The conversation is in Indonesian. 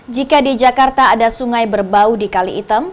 jika di jakarta ada sungai berbau di kali item